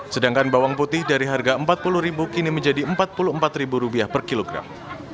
sedangkan bawang putih dari harga rp empat puluh kini menjadi rp empat puluh empat per kilogram